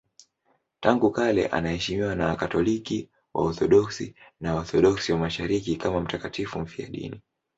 Tangu kale anaheshimiwa na Wakatoliki, Waorthodoksi na Waorthodoksi wa Mashariki kama mtakatifu mfiadini.